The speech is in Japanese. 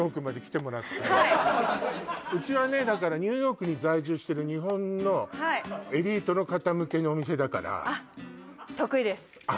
こんなうちはねだからニューヨークに在住してる日本のエリートの方向けのお店だからはいあっ得意ですあっ